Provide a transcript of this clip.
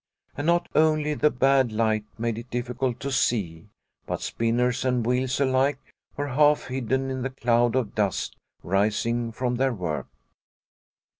And not only the bad light made it difficult to see, but spinners and wheels alike were half hidden in the cloud of dust rising from their work.